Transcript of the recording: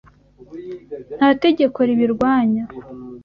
Nta tegeko ribirwanya.